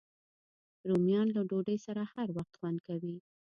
رومیان له ډوډۍ سره هر وخت خوند کوي